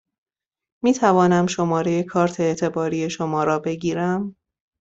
می توانم شماره کارت اعتباری شما را بگیرم؟